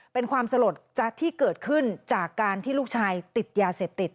เป็นความสลดที่เกิดขึ้นจากการที่ลูกชายติดยาเสพติด